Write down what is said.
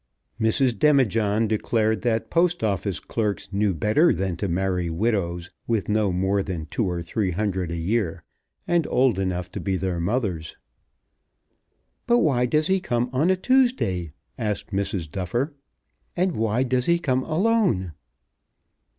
Mrs. Demijohn declared that Post Office clerks knew better than to marry widows with no more than two or three hundred a year, and old enough to be their mothers. "But why does he come on a Tuesday?" asked Mrs. Duffer; "and why does he come alone?"